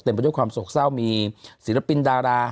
ไปด้วยความโศกเศร้ามีศิลปินดารา